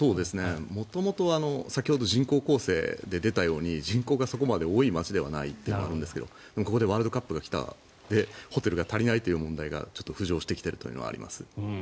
元々先ほど人口構成で出たように人口がそこまで多い街ではないというのはあるんですけどでもここでワールドカップが来たで、ホテルが足りないという問題がちょっと浮上してきているというのがあります。